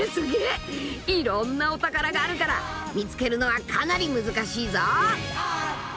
［いろんなお宝があるから見つけるのはかなり難しいぞ］